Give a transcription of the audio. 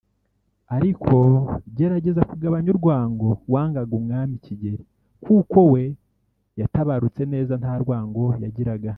ariko gerageza kugabanya urwango wangaga Umwami Kigeli kuko we yatabarutse neza ntarwango yagiraga